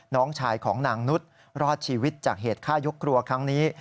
น้องชายของนางนุษย์รอดชีวิตจากเหตุฆ่ายกครัวครั้งนี้